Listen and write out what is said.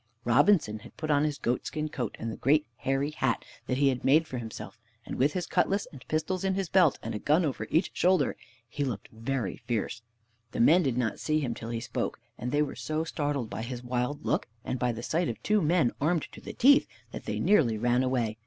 Robinson had put on his goatskin coat and the great hairy hat that he had made for himself; and with his cutlass and pistols in his belt, and a gun over each shoulder, he looked very fierce. The men did not see him till he spoke, and they were so startled by his wild look, and by the sight of two men armed to the teeth, that they nearly ran away.